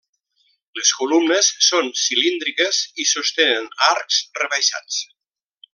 Les columnes són cilíndriques i sostenen arcs rebaixats.